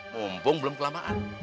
mumpung belum kelamaan